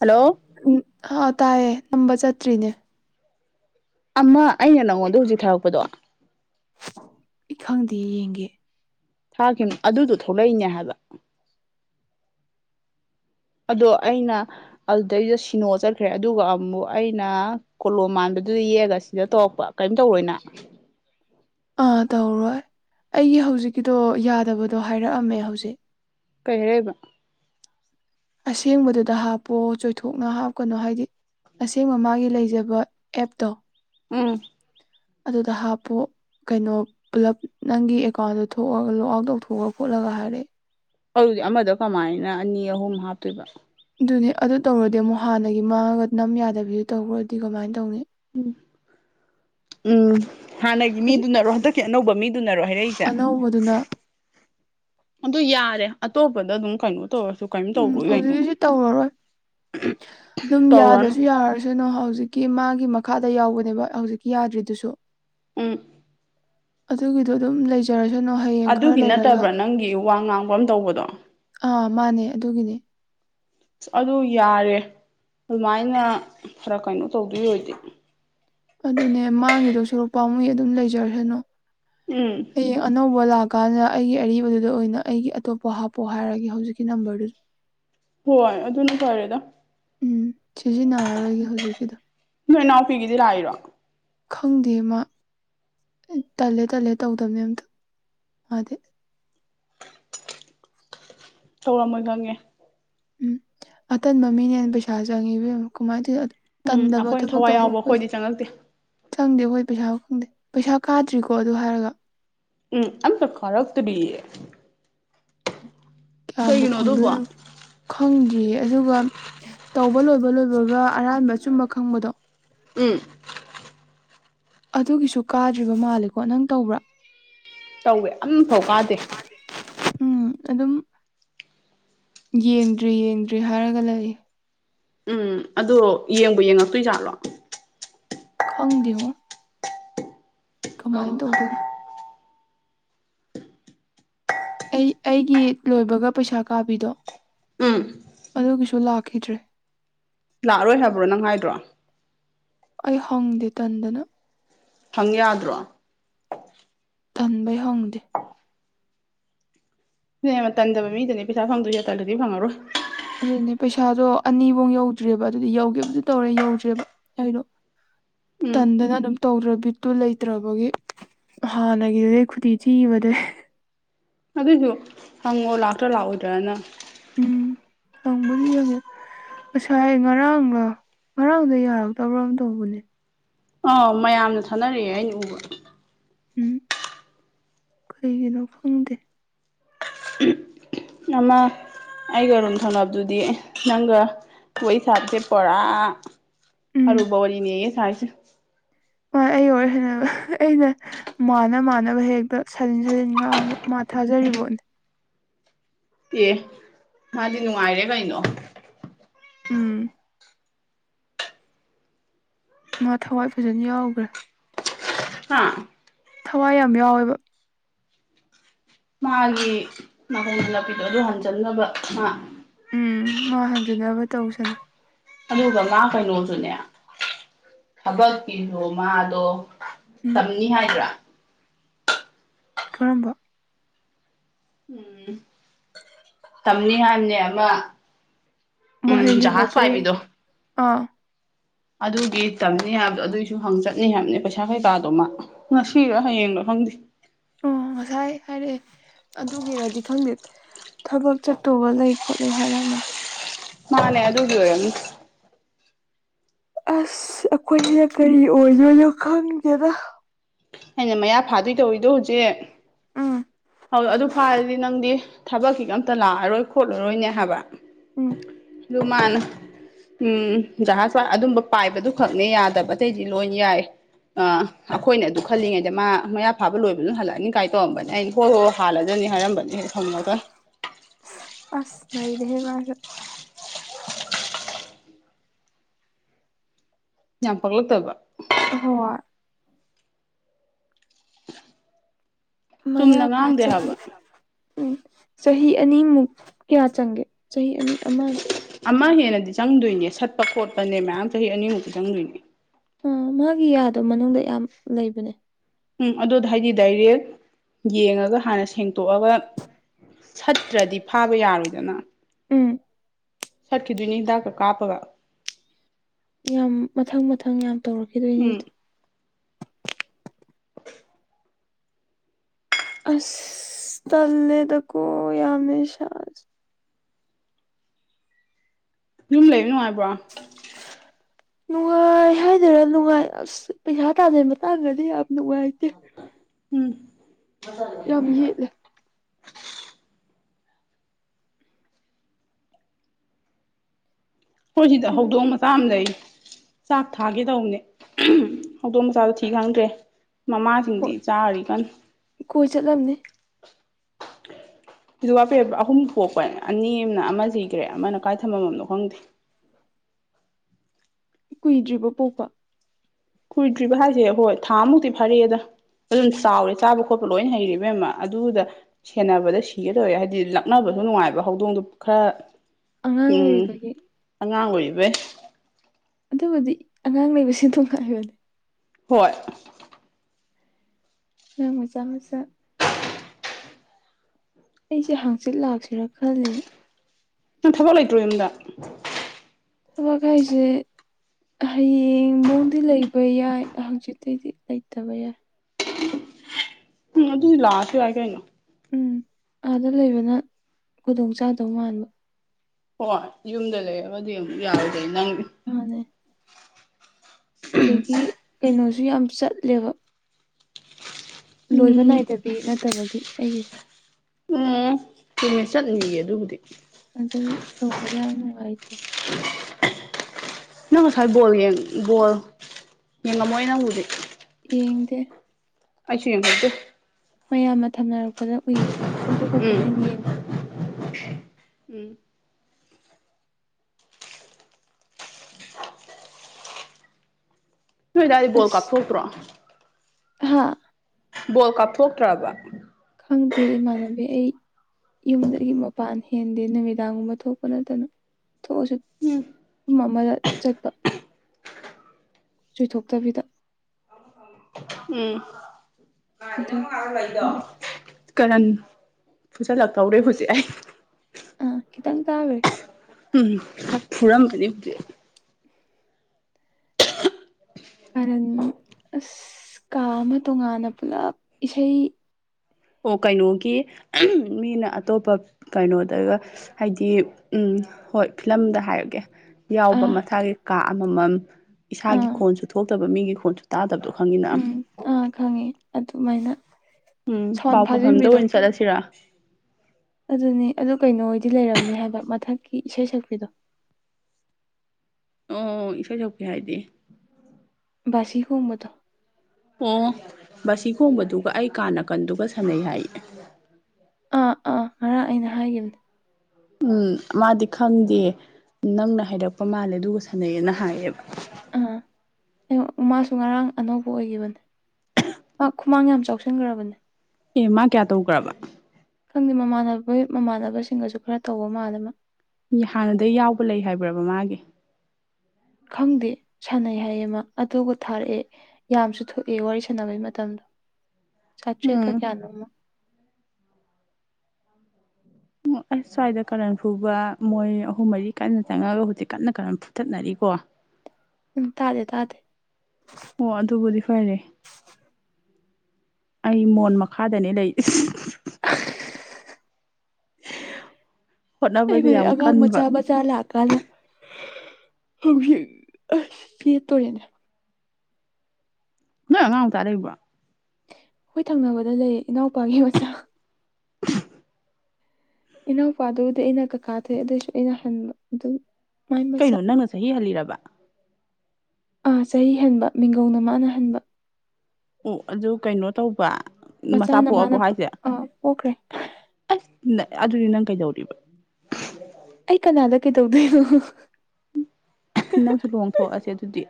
Hello ꯎꯝ ꯑꯥ ꯇꯥꯏꯌꯦ ꯅꯝꯕ ꯆꯠꯇ꯭ꯔꯤꯅꯦ ꯑꯃ ꯑꯩꯅ ꯅꯪꯉꯣꯟꯗ ꯍꯧꯖꯤꯛ ꯊꯥꯔꯛꯄꯗꯣ ꯑꯩ ꯈꯪꯗꯦ ꯌꯦꯡꯒꯦ ꯊꯥꯈꯤꯕꯅꯣ ꯑꯗꯨꯗꯣ ꯊꯣꯛꯂꯛꯏꯅꯦ ꯍꯥꯏꯕ ꯑꯗꯣ ꯑꯩꯅ ꯑꯗꯨꯗꯩꯗ ꯁꯤꯅꯣ ꯆꯠꯈ꯭ꯔꯦ ꯑꯗꯨꯒ ꯑꯃꯨꯛ ꯑꯩꯅ ꯀꯣꯂꯣꯝ ꯃꯥꯟꯕꯗꯨꯗ ꯌꯦꯛꯑꯒ ꯁꯤꯗ ꯇꯧꯔꯛꯄ ꯀꯦꯝ ꯇꯧꯔꯣꯏꯅ ꯑꯥ ꯇꯧꯔꯣꯏ ꯑꯩꯒꯤ ꯍꯧꯖꯤꯛꯀꯤꯗꯣ ꯌꯥꯗꯕꯗꯣ ꯍꯥꯏꯔꯛꯑꯝꯃꯦ ꯍꯧꯖꯤꯛ ꯀꯩ ꯍꯥꯏꯔꯛ ꯏ ꯕ ꯑꯁꯦꯡꯕꯗꯨꯗ ꯍꯥꯞꯄꯣ ꯆꯣꯏꯊꯣꯛꯅ ꯍꯥꯞꯀꯅꯨ ꯍꯥꯏꯗꯤ ꯑꯁꯦꯡꯕ ꯃꯥꯒꯤ ꯂꯩꯖꯕ ꯑꯦꯞꯇꯣ ꯎꯝ ꯑꯗꯨꯗ ꯍꯥꯞꯄꯨ ꯀꯩꯅꯣ ꯄꯨꯂꯞ ꯅꯪꯒꯤ ꯑꯦꯀꯥꯎꯟꯗꯣ ꯊꯣꯛꯑꯒ ꯂꯣꯛ ꯑꯥꯎꯠ ꯇꯧꯊꯣꯛꯑꯒ ꯈꯣꯠꯂꯒ ꯍꯥꯏꯔꯛꯑꯦ ꯑꯗꯨꯨꯗꯤ ꯑꯃꯗ ꯀꯃꯥꯏꯅ ꯑꯅꯤ ꯑꯍꯨꯝ ꯍꯥꯞꯇꯣꯏꯕ ꯑꯗꯨꯅꯦ ꯑꯗꯨ ꯇꯧꯔꯗꯤ ꯑꯃꯨꯛ ꯍꯥꯟꯅꯒꯤ ꯃꯥꯡꯉꯒ ꯅꯝ ꯌꯥꯗꯕꯤ ꯇꯧꯈ꯭ꯔꯗꯤ ꯀꯃꯥꯏꯅ ꯇꯧꯅꯤ ꯎꯝ ꯍꯥꯟꯅꯒꯤ ꯑꯩ ꯃꯤꯗꯨꯅꯔꯣ ꯍꯟꯗꯛꯀꯤ ꯑꯅꯧꯕ ꯃꯤꯗꯨꯅꯔꯣ ꯍꯥꯏꯔꯛꯏꯁꯦ ꯑꯅꯧꯕꯗꯨꯅ ꯑꯗꯨ ꯌꯥꯔꯦ ꯑꯇꯣꯞꯄꯗ ꯑꯗꯨꯝ ꯀꯩꯅꯣ ꯇꯧꯔꯁꯨ ꯀꯩꯝ ꯎꯝ ꯇꯧꯔꯣꯏ ꯀꯩꯅꯣ ꯍꯧꯖꯤꯀꯤꯁꯤ ꯇꯧꯔꯔꯣꯏ ꯑꯗꯨꯝ ꯇꯧꯔꯅꯨ ꯌꯥꯗ꯭ꯔꯁꯨ ꯌꯥꯔꯁꯨ ꯀꯅꯣ ꯍꯧꯖꯤꯛꯀꯤ ꯃꯥꯒꯤ ꯃꯈꯥꯗ ꯌꯥꯎꯕꯅꯦꯕ ꯍꯧꯖꯤꯛꯀꯤ ꯌꯥꯗ꯭ꯔꯤꯗꯨꯁꯨ ꯎꯝ ꯑꯗꯨꯒꯤꯗꯣ ꯑꯗꯨꯝ ꯂꯩꯖꯔꯁꯅꯨ ꯍꯌꯦꯡ ꯈꯔ ꯑꯗꯨꯒꯤ ꯂꯩꯔꯒ ꯅꯠꯇꯕ꯭ꯔꯥ ꯅꯪꯒꯤ ꯋꯥ ꯉꯥꯡꯕ ꯑꯃ ꯇꯧꯕꯗꯣ ꯑꯥ ꯃꯥꯅꯦ ꯑꯗꯨꯒꯤꯅꯦ ꯑꯗꯨ ꯌꯥꯔꯦ ꯗꯨꯃꯥꯏꯅ ꯈꯔ ꯀꯩꯅꯣ ꯇꯧꯗꯣꯏ ꯑꯣꯏꯗꯤ ꯑꯗꯨꯅꯦ ꯃꯥꯡꯈꯤꯗꯧ ꯁꯔꯨꯛ ꯄꯥꯃꯨꯏ ꯨ ꯑꯗꯨꯝ ꯂꯩꯖꯔꯁꯅꯨ ꯎꯝ ꯍꯌꯦꯡ ꯑꯅꯧꯕ ꯂꯥꯛꯑꯀꯥꯟꯗ ꯑꯩꯒꯤ ꯑꯔꯤꯕꯗꯨꯗ ꯑꯣꯏꯅ ꯑꯩꯒꯤ ꯑꯇꯣꯞꯄ ꯍꯥꯞꯄꯣ ꯍꯥꯏꯔꯒꯦ ꯍꯧꯖꯤꯛꯀꯤ ꯅꯝꯕꯔꯗꯨꯗ ꯍꯣꯏ ꯑꯗꯨꯅ ꯐꯔꯦꯗ ꯎꯝ ꯁꯤꯖꯤꯟꯅꯔꯔꯣꯏꯒꯦ ꯍꯧꯖꯤꯛꯀꯤꯗꯣ ꯅꯣꯏ ꯏꯅꯥꯎꯄꯤꯒꯤꯗꯤ ꯂꯥꯛꯏꯔꯣ ꯈꯪꯗꯦ ꯃꯥ ꯇꯜꯂꯦ ꯇꯜꯂꯦ ꯇꯧꯗꯕꯅꯦ ꯑꯝꯇ ꯃꯥꯗꯤ ꯇꯧꯔꯝꯃꯣꯏ ꯈꯪꯉꯦ ꯎꯝ ꯑꯇꯟꯕ ꯃꯤꯅ ꯍꯦꯟ ꯄꯩꯁꯥ ꯆꯪꯉꯤ ꯏꯕꯦꯝꯃ ꯀꯃꯥꯏꯅ ꯇꯩꯅꯣ ꯎꯝ ꯇꯟꯗꯕ ꯑꯩꯈꯣꯏꯅ ꯊꯕꯛ ꯊꯋꯥꯏ ꯇꯧꯕ ꯌꯥꯎꯕ ꯑꯩꯈꯣꯏ ꯑꯩꯈꯣꯏꯗꯤ ꯆꯪꯉꯛꯇꯦ ꯆꯪꯗꯦ ꯍꯣꯏ ꯄꯩꯁꯥ ꯈꯪꯗꯦ ꯄꯩꯁꯥ ꯀꯥꯗ꯭ꯔꯤꯀꯣ ꯑꯗꯨ ꯍꯥꯏꯔꯒ ꯎꯝ ꯑꯝꯇ ꯀꯔꯛꯇ꯭ꯔꯤꯌꯦ ꯀꯌꯥꯝꯕ ꯀꯩꯒꯤꯅꯣ ꯑꯗꯨꯕꯣ ꯐꯪꯗꯣꯏꯅꯣ ꯈꯪꯗꯤꯌꯦ ꯑꯗꯨꯒ ꯇꯧꯕ ꯂꯣꯏꯕ ꯂꯣꯏꯕꯒ ꯑꯔꯥꯟꯕ ꯑꯆꯨꯝꯕ ꯈꯪꯕꯗꯣ ꯎꯝ ꯑꯗꯨꯒꯤꯁꯨ ꯀꯥꯗ꯭ꯔꯤꯕ ꯃꯥꯜꯂꯦꯀꯣ ꯅꯪ ꯇꯧꯕ꯭ꯔꯥ ꯇꯧꯋꯦ ꯑꯝꯐꯥꯎ ꯀꯥꯗꯦ ꯎꯝ ꯑꯗꯨꯝ ꯌꯦꯡꯗ꯭ꯔꯤ ꯌꯦꯡꯗ꯭ꯔꯤ ꯍꯥꯏꯔꯒ ꯂꯩ ꯎꯝ ꯑꯗꯣ ꯌꯦꯡꯕꯨ ꯌꯦꯡꯉꯛꯇꯣꯏꯖꯥꯠꯂꯣ ꯈꯪꯗꯧꯉꫭ ꯀꯃꯥꯏꯅ ꯇꯧꯗꯣꯏꯅꯣ ꯑꯩ ꯑꯩꯒꯤ ꯂꯣꯏꯕꯒ ꯄꯩꯁꯥ ꯀꯥꯕꯤꯗꯣ ꯎꯝ ꯑꯗꯨꯒꯤꯁꯨ ꯂꯥꯛꯈꯤꯗ꯭ꯔꯦ꯫ ꯂꯥꯛꯑꯔꯣꯏ ꯍꯥꯏꯕ꯭ꯔꯣ ꯅꯪ ꯍꯥꯏꯗ꯭ꯔꯣ ꯑꯩ ꯍꯪꯗꯦ ꯇꯟꯗꯅ ꯍꯪ ꯌꯥꯗ꯭ꯔꯣ ꯇꯟꯕꯩ ꯍꯧꯗꯦ ꯇꯟꯗꯕ ꯃꯤꯗꯅꯦ ꯄꯩꯁꯥ ꯐꯪꯗꯣꯏꯁꯦ ꯇꯜꯂꯗꯤ ꯐꯪꯉꯔꯣꯏ ꯑꯗꯨꯅꯦ ꯄꯩꯁꯥꯗꯣ ꯑꯅꯤꯕꯧ ꯌꯧꯗ꯭ꯔꯤꯕ ꯑꯗꯨꯗꯤ ꯌꯧꯒꯦꯕꯨꯗꯤ ꯇꯧꯔꯦ ꯌꯧꯗ꯭ꯔꯦꯕ ꯑꯩꯗꫭ ꯎꯝ ꯇꯟꯗꯅ ꯑꯗꯨꯝ ꯇꯧꯗ꯭ꯔꯦ ꯕꯤꯠꯇꯨ ꯂꯩꯇ꯭ꯔꯕꯒꯤ ꯍꯥꯟꯅꯒꯤꯗꯨꯗꯩ ꯈꯨꯗꯤ ꯊꯤꯒꯤꯕꯗꯩ ꯑꯗꯨꯏꯁꯨ ꯍꯪꯉꯣ ꯂꯥꯛꯇ꯭ꯔꯥ ꯂꯥꯛꯑꯣꯏꯗ꯭ꯔꯅ ꯎꯝ ꯍꯪꯕꯨꯗꯤ ꯍꯒꯉꯦ ꯉꯁꯥꯏ ꯉꯔꯥꯡꯂ ꯉꯔꯥꯡꯗ ꯌꯥꯔꯛꯇꯕ꯭ꯔꯥ ꯃꯥ ꯇꯧꯕꯅꯦ ꯑꯥ ꯃꯌꯥꯝꯅ ꯊꯥꯅꯔꯦꯑꯦ ꯑꯩꯅ ꯎꯕ꯫ ꯎꯝ ꯀꯩꯒꯤꯅꯣ ꯈꯪꯗꯦ ꯅꯃꯥ ꯑꯩꯒ ꯔꯨꯨꯝ ꯊꯪꯅꯕꯗꯨꯗꯤ ꯅꯪꯒ ꯋꯥꯔꯤ ꯁꯥꯞꯁꯦ ꯄꯨꯔꯥ ꯎꯝ ꯑꯔꯨꯕ ꯋꯥꯔꯤꯅꯦꯌꯦ ꯁꯥꯥꯏꯁꯦ ꯍꯣꯏ ꯑꯩꯒꯥ‌ ꯋꯥꯔꯤ ꯁꯥꯟꯅꯕ ꯑꯩꯅ ꯃꯥꯅ ꯃꯥꯥꯟꯅꯕ ꯍꯦꯛꯇ ꯁꯥꯖꯤꯟ ꯁꯥꯖꯤꯟ ꯉꯥꯡꯕ ꯃꯥ ꯊꯥꯖꯔꯤꯕꯣꯅꯤ ꯑꯦ ꯃꯥꯗꯤ ꯅꯨꯡꯉꯥꯏꯔꯦ ꯀꯩꯅꯣ ꯎꯝ ꯃꯥ ꯊꯋꯥꯏ ꯐꯖꯅ ꯌꯥꯎꯒ꯭ꫪꯦ ꯍꯥꯥ ꯊꯋꯥꯏ ꯌꯥꯝ ꯌꯥꯎꯋꯦꯕ ꯃꯥꯒꯤ ꯃꯍꯣꯡ ꯍꯜꯂꯛꯄꯤꯗꫭ ꯑꯗꯨ ꯍꯟꯖꯟꯅꯕ ꯃꯥ ꯎꯝ ꯃꯥ ꯍꯟꯖꯅꯕ ꯇꯧꯁꯅꯨ ꯑꯗꯨꯒ ꯃꯥ ꯀꯩꯅꯣꯖꯨꯅꯦ ꯊꯕꯛꯀꯤꯗꫭ ꯃꯥꯗꯣ ꯎꯝ ꯇꯝꯅꯤ ꯍꯥꯏꯕ꯭ꯔꯥ ꯀꯔꯝꯕ ꯎꯝ ꯇꯝꯅꯤ ꯍꯥꯏꯕꯅꯦ ꯑꯃ ꯎꯝ ꯃꯍꯩ ꯖꯍꯥꯖ ꯍꯦꯟꯒꯠꯄꯩ ꯄꯥꯏꯕꯤꯗꯣ ꯑꯥ ꯑꯗꯨꯒꯤ ꯇꯝꯅꯤ ꯍꯥꯏꯕꯗꯣ ꯑꯗꯨꯏꯁꯨ ꯍꯪ ꯆꯠꯅꯤ ꯍꯥꯏꯕꯅꯤ ꯄꯩꯁꯥ ꯀꯩꯀꯥꯗꫭ ꯃꯥ ꯉꯁꯤꯔ ꯍꯌꯦꯡꯂ ꯈꯪꯗꯦ ꯎꯝ ꯉꯁꯥꯏ ꯍꯥꯏꯔꯛꯑꯦ ꯑꯗꯨꯒꯤꯔꯗꯤ ꯈꯪꯗꯦ ꯊꯕꯛ ꯆꯠꯇꯧꯕ ꯂꯩ ꯈꯣꯠꯂꯦ ꯍꯥꯏꯔꯝꯃꯦ꯫ ꯃꯅꯦ ꯑꯗꯨꯒꯤ ꯑꯣꯏꯔꯝꯅꯤ ꯑꯁ ꯑꯈꯣꯏꯁꯤꯅ ꯀꯔꯤ ꯑꯣꯏꯗꯣꯏꯅꯣ ꯈꯪꯗꯦꯗ꯫ ꯑꯩꯅ ꯃꯌꯥ ꯐꯥꯕꯤ ꯇꯧꯋꯤꯗꯣ ꯍꯧꯖꯤꯛ ꯎꯝ ꯑꯗꯨ ꯐꯥꯔꯗꯤ ꯅꯪꯗꯤ ꯊꯕꯛꯀꯤ ꯑꯝꯇ ꯂꯥꯛꯑꯔꯣꯏ ꯈꯣꯠꯂꯔꯣꯏꯅꯦ ꯍꯥꯏꯕ꯫ ꯎꯝ ꯂꯨꯃꯥꯟꯅ ꯎꯝ ꯖꯍꯥꯖ ꯑꯗꯨꯝꯕ ꯄꯥꯏꯕꯗꯨ ꯈꯛꯅꯦ ꯌꯥꯗꯕ ꯑꯇꯩꯗꯤ ꯂꯣꯏ ꯌꯥꯏ ꯑꯥ ꯑꯈꯣꯏꯅ ꯑꯗꯨ ꯈꯜꯂꯤꯉꯩꯗ ꯃꯥ ꯃꯌꯥ ꯐꯥꯕ ꯂꯣꯏꯕꯗꯨꯅ ꯍꯜꯂꯛꯑꯅꯤ ꯀꯥꯏꯅ ꯇꯧꯔꯝꯕꯅꯦ ꯑꯩꯗꯤ ꯍꯣꯏ ꯍꯣꯏ ꯍꯥꯜꯂꯗꯣꯏꯅꯤ ꯍꯥꯏꯔꯝꯕꯅꯤ ꯍꯦꯛ ꯁꯥꯎꯅꯤꯡꯉꯛꯇꯅ ꯑꯁ ꯅꯩꯔꯦꯍꯦ ꯃꯁꯨ ꯌꯥ ꯄꯣꯛꯂꯛꯇꯕ ꯍꯣꯏ ꯃꯌꯥꯝ ꯆꯨꯝꯅ ꯉꯥꯡꯗꯦ ꯐꯥꯆꯍꯤ ꯍꯥꯏꯕ ꯎꯝ ꯆꯍꯤ ꯑꯅꯤꯃꯨꯛ ꯀꯌꯥ ꯆꯪꯒꯦ ꯆꯍꯤ ꯑꯅꯤ ꯑꯃ ꯑꯃ ꯍꯦꯟꯅꯗꯤ ꯆꯪꯗꯣꯏꯅꯦ ꯁꯠꯄ ꯈꯣꯠꯄꯅꯦ ꯃꯌꯥꯝ ꯆꯍꯤ ꯑꯅꯤꯃꯨꯛꯇꯤ ꯆꯪꯗꯣꯏꯅꯦ ꯑ ꯃꯥꯒꯤ ꯌꯥꯗꯣ ꯃꯅꯨꯡꯗ ꯌꯥꯝ ꯂꯩꯕꯅꯦ ꯎꯝ ꯑꯗꯨꯗ ꯍꯥꯏꯗꯤ ꯗꯥꯏꯔꯦꯛ ꯌꯦꯡꯉꯒ ꯍꯥꯟꯅ ꯁꯦꯡꯇꯣꯛꯑꯒ ꯁꯠꯇ꯭ꯔꯗꯤ ꯐꯥꯕ ꯌꯥꯔꯣꯏꯗꯅ꯫ ꯎꯝ ꯆꯠꯈꯤꯗꯣꯏꯅꯦ ꯍꯤꯗꯥꯛꯀ ꯀꯥꯞꯄꯒ ꯌꯥꯝ ꯃꯊꯪ ꯃꯊꯪ ꯌꯥꯝ ꯇꯧꯔꯛꯈꯤꯗꯣꯏꯅꯦ ꯎꯝ ꯑꯗꯨ ꯑꯁ ꯇꯜꯦꯗ ꯀꯣ ꯌꯥꯝꯃꯦꯁ ꯌꯨꯝ ꯂꯩꯕ ꯅꯨꯡꯉꯥꯏꯕ꯭ꯔꯣ ꯅꯨꯡꯉꯥꯏ ꯍꯥꯏꯗꯔ ꯅꯨꯡꯉꯥꯏ ꯑꯁ ꯄꯩꯁꯥ ꯇꯥꯗꯩ ꯃꯇꯥꯡꯗꯗꯤ ꯌꯥꯝ ꯅꯨꯡꯉꯥꯏꯇꯦ ꯎꯝ ꯌꯥꯝ ꯌꯦꯠꯂꯦ ꯑꯩꯈꯣꯏ ꯁꯤꯗ ꯌꯥꯝ ꯍꯧꯗꯣꯡ ꯃꯆꯥ ꯑꯃ ꯂꯩ ꯆꯥꯛ ꯊꯥꯒꯗꯧꯕꯅꯦ ꯍꯧꯗꯣꯡ ꯃꯆꯥꯗꯣ ꯊꯤ ꯈꯪꯗ꯭ꯔꯦ ꯃꯃꯥ ꯗꯤ ꯆꯥꯔꯤ ꯀ ꯀꯣꯏ ꯆꯠꯂꯝꯅꯦ ꯁꯤꯗꯨ ꯋꯥꯄꯦ ꯑꯍꯨꯝ ꯊꯣꯛꯄ ꯑꯅꯤ ꯑꯃꯅ ꯑꯃ ꯁꯤꯈ꯭ꯔꯦ ꯑꯃꯅ ꯀꯥꯏ ꯊꯝꯃꯝꯃꯝꯗꯣ ꯈꯪꯗꯦ ꯀꯨꯏꯗ꯭ꯔꯤꯕ ꯄꯣꯛꯄ ꯀꯨꯏꯗ꯭ꯔꯤꯕ ꯍꯥꯏꯁꯦ ꯍꯣꯏ ꯊꯥ ꯃꯨꯛꯇꯤ ꯐꯔꯛꯑꯦꯗ ꯑꯗꯨꯝ ꯆꯥꯎꯔꯦ ꯆꯥꯕ ꯈꯣꯠꯄ ꯂꯣꯏꯅ ꯍꯩꯔꯦꯕꯦꯝꯃ ꯑꯗꯨꯗ ꯁꯦꯟꯅꯕꯗ ꯁꯤꯒꯦꯗꯧꯔꯦ ꯍꯥꯏꯗꯤ ꯂꯛꯅꯕꯁꯨ ꯅꯨꯡꯉꯥꯏꯕ ꯍꯧꯗꯣꯡꯗꯨ ꯈꯔ ꯑꯉꯥꯡ ꯎꯝ ꯑꯣꯏꯔꯤꯕꯒꯤ ꯑꯉꯥꯡ ꯑꯣꯏꯔꯤꯕꯩ ꯑꯗꯨꯕꯨꯗꯤ ꯑꯉꯥꯡ ꯂꯩꯕ ꯁꯦ ꯅꯨꯉꯥꯏꯕꯅꯦ꯫ ꯍꯣꯏ ꯃꯖꯁ ꯑꯩꯁꯦ ꯍꯥꯡꯆꯤꯠ ꯂꯥꯛꯁꯤꯔꯥ ꯈꯜꯂꯦꯅꯦ ꯅꯪ ꯊꯕꯛ ꯂꯩꯇ꯭ꯔꯣ ꯌꯨꯝꯗ ꯊꯕꯛ ꯍꯥꯏꯁꯦ ꯍꯌꯦꯡꯕꯣꯡꯗꯤ ꯂꯩꯕ ꯌꯥꯏ ꯍꯪꯆꯤꯠꯇꯤꯗꯤ ꯂꯩꯇꯕ ꯌꯥꯏ ꯎꯝ ꯑꯗꯨꯗꯤ ꯂꯥꯛꯑꯁꯨ ꯌꯥꯏ ꯀꯩꯅꯣ ꯎꯝ ꯑꯥꯗ ꯂꯩꯕꯅ ꯈꯨꯗꯣꯡꯆꯥꯥꯗꯧ ꯃꯥꯟꯕ ꯍꯣꯏ ꯌꯨꯝꯗ ꯂꯩꯔꯒꯗꯤ ꯑꯃꯨꯛ ꯌꯥꯔꯗꯩ ꯅꯪ ꯑꯗꯦ ꯑꯗꯒꯤ ꯀꯩꯅꯣꯁꯨ ꯌꯥꯝ ꯆꯠꯂꯦꯕ ꯂꯣꯏꯕ ꯎꯝ ꯅꯥꯏꯗꯕꯤ ꯅꯠꯇꯕꯒꯤ ꯑꯩꯒꯤꯁꯦ ꯎꯝ ꯀꯨꯝꯅ ꯆꯠꯅꯤꯡꯌꯦ ꯑꯗꯨꯕꯨꯗꯤ ꯑꯗꯨ ꯇꯧꯕꯗ ꯌꯥꯝ ꯅꯨꯡꯉꯥꯏꯇ꯭ꯔꯦ ꯅꯪ ꯉꯁ꯭ꯋꯥꯥꯏ ꯕꯣꯜ ꯕꯣꯜ ꯌꯦꯡꯉꯝꯃꯣꯏ ꯅꯪꯕꯨꯗꯤ ꯌꯦꯡꯗꯦ ꯑꯁ ꯌꯥꯝ ꯈꯗꯦ ꯃꯌꯥꯝꯅ ꯊꯝꯅꯔꯛꯄꯗ ꯎꯏꯌꯦ ꯑꯗꯨ ꯎꯝ ꯈꯛꯇꯅ ꯑꯩꯅ ꯌꯦꯡꯕꯥ ꯎꯝ ꯗꯗꯤ ꯣꯜ ꯀꯥꯞꯊꯣꯛꯇ꯭ꯔꯣ ꯍꯥꯥ ꯕꯣꯜ ꯀꯥꯞꯊꯣꯛꯇ꯭ꯔꯕ ꯈꯪꯗꯦ ꯏꯃꯥꯟꯅꯕꯤ ꯑꯩ ꯌꯨꯝꯗꯒꯤ ꯃꯄꯥꯟ ꯍꯦꯟꯗꯦ ꯅꯨꯃꯤꯗꯥꯡꯒꯨꯝꯕ ꯊꯣꯛꯄ ꯅꯠꯇꯅ ꯊꯣꯛꯑꯁꯨ ꯎꯝ ꯎꯨꯝ ꯑꯃꯗ ꯆꯠꯄ ꯆꯣꯏꯊꯣꯛꯇꯕꯤꯗ ꯎꯝ ꯑꯗꯨ ꯀꯔꯟ ꯐꯨꯖꯜꯂꯛꯇꯧꯔꯦ ꯍꯧꯖꯤꯛ ꯑꯩ ꯑꯥ ꯈꯤꯇꯪ ꯇꯥꯕ꯭ꯔꯦ ꯎꯝ ꯐꯨꯔꯝꯕꯅꯤ ꯀꯥꯔꯟ ꯑꯁ ꯀꯥ ꯑꯃ ꯇꯣꯉꯥꯟꯅ ꯄꯨꯂꯞ ꯏꯁꯩ ꯑꯣ ꯀꯩꯅꯣꯒꯤ ꯃꯤꯅ ꯑꯇꯣꯞꯄ ꯀꯩꯅꯣꯗꯒ ꯍꯥꯏꯗꯤ ꯎꯝ ꯍꯣꯏ ꯐꯤꯂꯝꯗ ꯍꯥꯏꯔꯒꯦ ꯌꯥꯎꯕ ꯑꯥ ꯃꯁꯥꯒꯤ ꯀꯥ ꯑꯃꯃꯝ ꯏꯁꯥꯒꯤ ꯑꯥ ꯈꯣꯟꯁꯨ ꯊꯣꯛꯇꯕ ꯃꯤꯒꯤ ꯈꯣꯟꯁꯨ ꯇꯥꯗꯕꯗꯣ ꯈꯪꯉꯤꯅ ꯎꯝ ꯑꯥ ꯈꯪꯉꯦ ꯑꯗꯨꯃꯥꯏꯅ ꯎꯝ ꯁꯥꯎꯟ ꯄꯥꯎ ꯄꯥꯐꯝꯗ ꯐꯥꯖꯤꯟꯕꯤꯗꯣ ꯑꯣꯏꯅ ꯆꯠꯂꯁꯤꯔꯥ ꯑꯗꯨꯅꯦ ꯑꯗꯨ ꯀꯩꯅꯣ ꯑꯣꯏꯗꯤ ꯂꯩꯔꯝꯅꯤ ꯍꯥꯏꯕ ꯃꯊꯛꯀꯤ ꯏꯁꯩ ꯁꯛꯄꯤꯗꯣ ꯑꯣ ꯏꯁꯩ ꯁꯛꯄꯤ ꯍꯥꯏꯗꯤ ꯕꯥꯁꯤ ꯈꯣꯡꯕꯗꯣ ꯑꯣ ꯕꯥꯁꯤ ꯈꯣꯡꯕꯗꯨꯒ ꯑꯩ ꯀꯥ ꯅꯥꯀꯟꯗꯨꯒ ꯁꯝꯅꯩ ꯍꯥꯏꯌꯦ ꯑꯥ ꯑꯥ ꯉꯥꯔꯥꯡ ꯑꯩꯅ ꯍꯥꯏꯈꯤꯕꯅꯦ ꯎꯝ ꯃꯥꯗꯤ ꯈꯪꯗꯤꯌꯦ ꯅꯪꯅ ꯍꯥꯏꯔꯛꯄ ꯃꯥꯜꯂꯦ ꯑꯗꯨꯒ ꯁꯥꯟꯅꯩꯌꯦꯅ ꯍꯥꯏꯌꯦꯕ ꯑꯥ ꯃꯥꯁꯨ ꯉꯔꯥꯡ ꯑꯅꯧꯕ ꯑꯣꯏꯈꯤꯕꯅꯦ ꯃꯥ ꯈꯨꯃꯥꯡ ꯌꯥꯝ ꯆꯥꯎꯁꯤꯟꯈ꯭ꯔꯕꯅꯦ ꯑꯦ ꯃꯥ ꯀꯌꯥ ꯇꯧꯈ꯭ꯔꯕ ꯈꯪꯗꯦ ꯃꯃꯥꯟꯅꯕ ꯃꯃꯥꯟꯅꯕꯁꯤꯡꯒꯁꯨ ꯈꯔ ꯇꯧꯕ ꯃꯥꯜꯂꯦ ꯃꯥ ꯍꯥꯟꯅꯗꯒꯤ ꯌꯥꯎꯕ ꯂꯩ ꯍꯥꯏꯕ꯭ꯔꯕ ꯃꯥꯒꯤ ꯈꯪꯗꯦ ꯁꯥꯟꯅꯩ ꯍꯥꯏꯌꯦ ꯑꯃ ꯑꯗꯨꯒ ꯊꯥꯔꯛꯑꯦ ꯌꯥꯝꯁꯨ ꯊꯣꯛꯑꯦ ꯋꯥꯔꯤ ꯁꯥꯟꯅꯕꯩ ꯃꯇꯝꯗꯣ ꯆꯥꯇ꯭ꯔꯦꯠꯀ ꯎꯝ ꯀꯌꯥꯅꯣꯃ ꯑꯩꯁ ꯁ꯭ꯋꯥꯏꯗ ꯀꯔꯟ ꯐꯨꯕ ꯃꯣꯏ ꯑꯍꯨꯝ ꯃꯔꯤ ꯀꯥꯏꯟꯅ ꯆꯪꯉꯒ ꯍꯧꯖꯤꯛ ꯀꯟꯅ ꯀꯔꯝ ꯐꯨꯊꯠꯅꯔꯤꯀꯣ ꯎꯝ ꯇꯥꯗꯦ ꯇꯥꯗꯦ ꯑꯣ ꯑꯗꯨꯕꯨꯗꯤ ꯐꯔꯦ ꯑꯩ ꯃꯣꯟ ꯃꯈꯥꯗꯅꯤ ꯂꯩ ꯍꯣꯠꯅꯕꯁꯦ ꯑꯩꯕꯨꯗꯤ ꯌꯥꯝ ꯑꯉꯥꯡ ꯃꯆꯥ ꯀꯟꯕ ꯃ ꯆꯖꯥ ꯂꯥꯛꯀꯥꯟꯗ ꯍꯧꯖꯤꯛ ꯑꯁ ꯁꯦꯠꯇꯣꯔꯤꯅꯦ ꯅꯣꯏ ꯑꯉꯥꯡ ꯃꯆꯥ ꯂꯩꯕ꯭ꯔꯣ ꯑꯩꯈꯣꯏ ꯊꯪꯅꯕꯗ ꯂꯩꯌꯦ ꯏꯅꯥꯎꯄꯥꯒꯤ ꯃꯆꯥ ꯎ [inaudible] ꯏꯅꯥꯎꯄꯥꯗꯨꯕꯨꯗꯤ ꯑꯩꯅ ꯀꯀꯥ ꯊꯣꯛꯏ ꯑꯗꯨꯑꯣꯏꯁꯨ ꯑꯩꯅ ꯍꯟꯕ ꯑꯗꯨꯝ ꯀꯩꯅꯣ ꯅꯪꯅ ꯆꯍꯤ ꯍꯜꯂꯤꯔꯕ ꯆꯍꯤ ꯍꯥꯟꯕ ꯃꯤꯡꯒꯧꯅ ꯃꯥꯅ ꯍꯥꯟꯕ ꯑꯣ ꯑꯗꯨ ꯀꯩꯅꯣ ꯇꯧꯕ ꯃꯆꯥ ꯃꯆꯥꯅ ꯄꯣꯛꯑꯕꯣ ꯃꯥꯅ ꯍꯥꯏꯁꯦ ꯄꯣꯛꯈ꯭ꯔꯦ ꯑꯁ ꯑꯗꯨꯗꯤ ꯅꯪ ꯀꯩꯗꯧꯔꯤꯕ ꯑꯩ ꯀꯅꯥꯗ ꯀꯩꯗꯧꯗꯣꯏꯅꯣ ꯅꯪꯁꯨ ꯂꯨꯍꯣꯡꯊꯣꯛꯑꯁꯦ ꯑꯗꯨꯗꯤ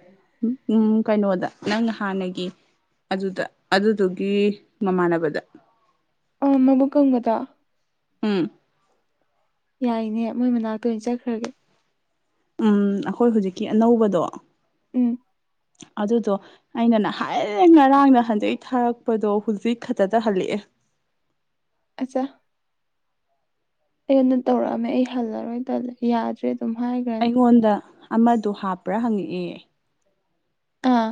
ꯎꯝ ꯀꯩꯅꯣꯗ ꯅꯪ ꯍꯥꯟꯅꯒꯤ ꯑꯗꯨꯗ ꯑꯗꯨꯗꯨꯒꯤ ꯃꯃꯥꯟꯅꯕꯗ ꯎꯝ ꯃꯕꯨꯛ ꯀꯥꯡꯕꯗꯣ ꯎꯝ ꯌꯥꯏꯅꯦ ꯃꯣꯏ ꯃꯅꯥꯛꯇ ꯑꯣꯏꯅ ꯆꯠꯈ꯭ꯔꯒꯦ ꯎꯝ ꯑꯩꯈꯣꯏ ꯍꯧꯖꯤꯛꯀꯤ ꯑꯅꯧꯕꯗꯣ ꯎꯝ ꯑꯗꯨꯗꯣ ꯑꯩꯅ ꯅꯍꯥꯏꯔꯦ ꯉꯔꯥꯡꯅ ꯅꯍꯥꯟꯅ ꯊꯥꯔꯛꯄꯗꯣ ꯍꯧꯖꯤꯛ ꯈꯛꯇꯗ ꯍꯜꯂꯛꯑꯦ ꯑꯆꯥ ꯑꯩꯣꯟꯗ ꯇꯧꯔꯛꯑꯝꯃꯦ ꯑꯩ ꯍꯜꯂꯔꯣꯏꯜꯂ ꯌꯥꯗ꯭ꯔꯦ ꯑꯗꯨꯝ ꯍꯥꯏꯈ꯭ꯔꯅꯤ ꯑꯩꯉꯣꯟꯗ ꯑꯃꯗꯣ ꯍꯥꯞꯄ꯭ꯔꯥ ꯍꯪꯉꯛꯑꯦ ꯑꯥ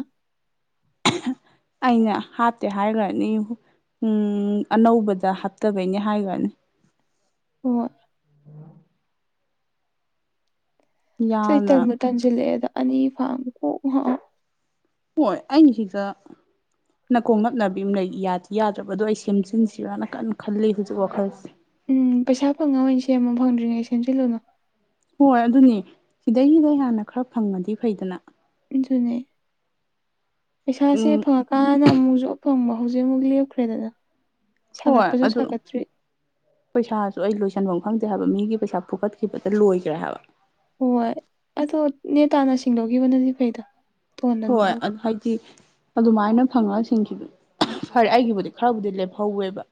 ꯑꯩꯅ ꯍꯥꯞꯇꯦ ꯍꯥꯏꯈ꯭ꯔꯅꯤ ꯎꯝ ꯑꯅꯧꯕꯗ ꯍꯥꯞꯇꯕꯩꯅꯦ ꯍꯥꯏꯈ꯭ꯔꯅꯤ ꯑꯣ ꯁ ꯌꯥꯝꯅ ꯇꯟꯃꯨ ꯇꯟꯁꯤꯜꯂꯛꯑꯦ ꯑꯗ ꯑꯅꯤ ꯐꯥ ꯀꯣꯛ ꯍꯣꯏ ꯑꯩꯩꯅꯁꯤꯗ ꯅ ꯀꯣꯡꯡꯂꯞꯅꯕꯤ ꯑꯃꯅ ꯌꯥꯗ꯭ꯔꯕꯗꯣ ꯑꯩ ꯁꯦꯝꯖꯤꯟꯁꯤꯔꯅ ꯀꯟꯅ ꯈꯜꯂꯤ ꯍꯧꯖꯤꯛ ꯋꯥꯈꯜꯁꯦ ꯎꯝ ꯄꯩꯁꯥ ꯐꯪꯉꯣꯏꯅꯤ ꯁꯦꯝꯃꯨꯛ ꯐꯪꯗ꯭ꯔꯤꯉꯩ ꯁꯦꯝꯖꯤꯜꯂꯨꯅꯨ ꯍꯣꯏ ꯑꯗꯨꯅꯤ ꯁꯤꯗꯩꯗ ꯍꯥꯟꯅ ꯈꯔ ꯐꯪꯉꯗꯤ ꯐꯩꯗꯅ ꯑꯗꯨꯅꯦ ꯄꯩꯁꯥꯁꯦ ꯎꯝ ꯐ ꯀꯥꯟꯅ ꯑꯃꯨꯛꯁꯨ ꯑꯐꯪꯕ ꯍꯧꯖꯤꯛ ꯑꯃꯨꯛ ꯂꯦꯞꯈ꯭ꯔꯦꯗꯅ ꯍ ꯁꯥꯒꯠꯄꯁꯨ ꯑꯗꯨ ꯁꯥꯒꯠꯇ꯭ꯔꯤ ꯄꯩꯁꯥꯁꯨ ꯑꯩ ꯂꯣꯏꯁꯟꯐꯝ ꯈꯪꯗꯦ ꯍꯥꯏꯕ ꯃꯤꯒꯤ ꯄꯩꯁꯥ ꯐꯨꯒꯠꯈꯤꯕꯗ ꯂꯣꯏꯈ꯭ꯔꯦ ꯍꯥꯏꯕ ꯍꯣꯏ ꯑꯗꯣ ꯅꯦ ꯇꯥꯅ ꯁꯤꯡꯗꯣꯛꯈꯤꯕꯅꯗꯤ ꯐꯩꯗ ꯇꯣꯟꯅꯗꯤ ꯍꯣꯏ ꯍꯥꯏꯗꯤ ꯑꯗꯨꯃꯥꯏꯅ ꯐꯪꯉꯒ ꯁꯤꯡꯈꯤꯕꯗꯨ ꯐꯔꯦ ꯑꯩꯒꯤꯕꯨꯗꯤ ꯈꯔꯕꯨꯗꯤ ꯂꯦꯞꯍꯧꯋꯦꯕ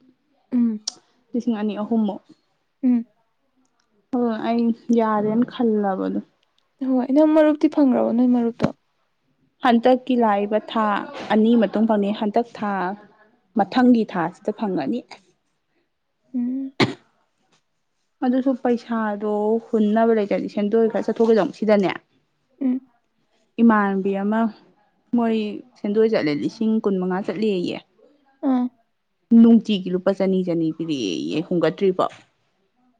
ꯎꯝ ꯂꯤꯁꯤꯡ ꯑꯅꯤ ꯑꯍꯨꯝꯃꯨꯛ ꯎꯝ ꯍꯣꯏ ꯑꯩ ꯌꯥꯔꯦꯅ ꯈꯜꯂꯕꯗꯣ ꯍꯣꯏ ꯅꯪ ꯃꯔꯨꯞꯇꯤ ꯐꯪꯈ꯭ꯔꯕꯣ ꯅꯣꯏ ꯃꯔꯨꯞꯇꯣ ꯍꯟꯇꯛꯀꯤ ꯂꯥꯛꯏꯕ ꯊꯥ ꯑꯅꯤ ꯃꯇꯨꯡ ꯐꯪꯉ ꯍꯟꯇꯛ ꯊꯥ ꯃꯊꯪꯒꯤ ꯊꯥꯁꯤꯗ ꯐꯪꯉꯅꯤ ꯑꯁ ꯎꯝ ꯑꯗꯨꯁꯨ ꯄꯩꯁꯥꯗꯣ ꯍꯨꯟꯅꯕ ꯂꯩꯇꯔꯥꯗꯤ ꯁꯦꯟꯗꯣꯏ ꯈꯔ ꯆꯠꯊꯣꯛꯀꯦꯇꯧꯕꯥ ꯁꯤꯗꯅꯦ ꯎꯝ ꯏꯃꯥꯟꯕꯤ ꯑꯃ ꯃꯣꯏ ꯁꯦꯟꯗꯣꯏ ꯆꯠꯂꯦ ꯂꯤꯁꯤꯡ ꯀꯨꯟ ꯃꯉꯥ ꯆꯠꯂꯦꯌꯦ ꯑꯥ ꯅꯨꯡꯇꯤꯒꯤ ꯂꯨꯄꯥ ꯆꯅꯤ ꯆꯅꯤ ꯄꯤꯗꯤ ꯍꯣꯡꯒꯠꯇ꯭ꯔꯤꯔꯤꯕꯣ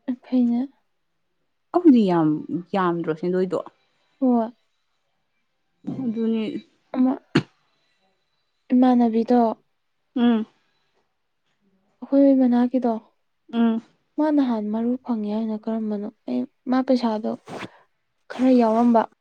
ꯑꯩꯈꯣꯏꯩꯅ ꯑꯗꯨꯗꯤ ꯌꯥꯝ ꯌꯥꯝꯗ꯭ꯔꯣ ꯁꯦꯟꯗꯣꯏꯗꯣ ꯍꯣꯏ ꯑꯗꯨꯅꯦ ꯑ [unintelligible] ꯏꯃꯥꯟꯅꯕꯤꯗꯣ ꯎꯝ ꯑꯩꯈꯣꯏ ꯃ ꯃꯅꯥꯛꯀꯤꯗꯣ ꯎꯝ ꯃꯥ ꯅꯍꯥꯟ ꯃꯔꯨ ꯐꯪꯉꯦ ꯍꯥꯏꯅ ꯀꯔꯝꯕꯅꯣ ꯑꯩ ꯃꯥ ꯄꯩꯁꯥꯗꯣ ꯈꯔ ꯌꯥꯎꯔꯝꯕ